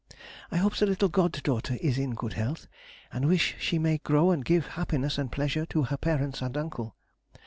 I hope the little god daughter is in good health, and wish she may grow and give happiness and pleasure to her parents and uncle.